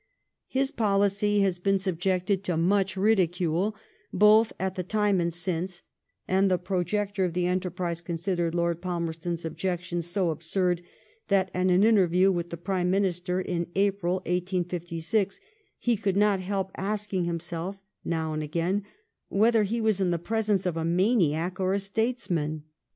His policy has been subjected to much ridicule, both at the time and since ; and the projector of the enterprise con sidered Lord Palmerston's objections so absurd, that, at an interview with the Prime Minister in April 1856, he could not help asking himself now and again whether he was in the presence of a maniac or a statesman.''